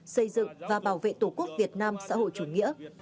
xây dựng và bảo vệ tổ quốc việt nam xã hội chủ nghĩa